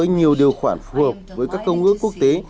nhiều điều khoản phù hợp với các công ước quốc tế